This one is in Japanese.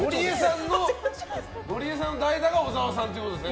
ゴリエさんの代打が小沢さんということですね。